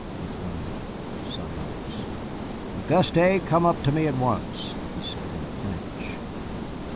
he cried. Silence. "Auguste, come up to me at once," he said in French.